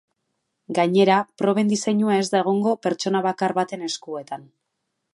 Gainera, proben diseinua ez da egongo pertsona bakar baten eskuetan.